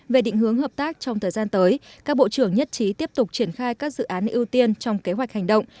về định hướng hợp tác trong thời gian tới các bộ trưởng nhất trí tiếp tục triển khai các dự án ưu tiên trong kế hoạch hành động